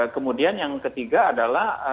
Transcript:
kemudian yang ketiga adalah